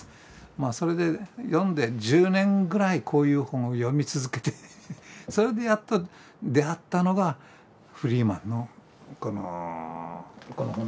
まあそれで読んで１０年ぐらいこういう本を読み続けてそれでやっと出会ったのがフリーマンのこの本ですね。